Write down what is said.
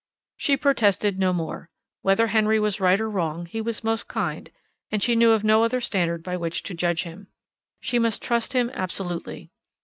She protested no more. Whether Henry was right or wrong, he was most kind, and she knew of no other standard by which to judge him. She must trust him absolutely.